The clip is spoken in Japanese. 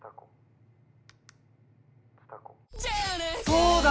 そうだ！